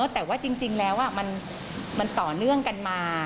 แต่ว่าจริงแล้วมันต่อเนื่องกันมา